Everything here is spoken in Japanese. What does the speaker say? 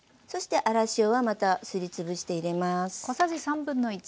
そして粗塩はまたすり潰して入れます。